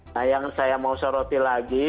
nah yang saya mau soroti lagi